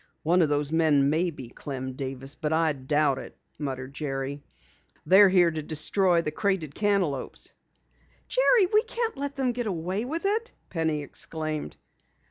"One of those men may be Clem Davis, but I doubt it!" muttered Jerry. "They're here to destroy the crated cantaloupes!" "Jerry, we can't let them get away with it!" Penny exclaimed.